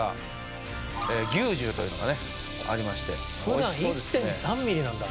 普段１．３ミリなんだね。